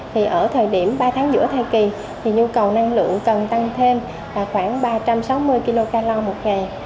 thì ở thời điểm ba tháng giữa thai kỳ thì nhu cầu năng lượng cần tăng thêm là khoảng ba trăm sáu mươi kg một ngày